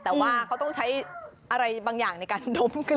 แต่ว่าเขาต้องใช้อะไรบางอย่างในการดมขึ้น